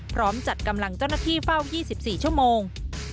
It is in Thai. พร้อมจัดกำลังเจ้าหน้าที่เฝ้า๒๔ชั่วโมง